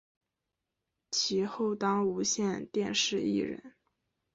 其后当无线电视艺人。